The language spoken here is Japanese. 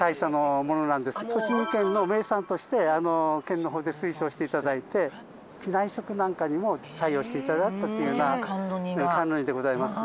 栃木県の名産として県の方で推奨して頂いて機内食なんかにも採用して頂いたというような甘露煮でございます。